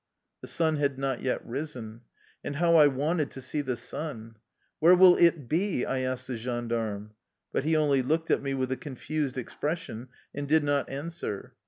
" The sun had not yet risen. And how I wanted to see the sun! "Where will it be?" I asked the gendarme, but he only looked at me with a confused expres sion and did not answer.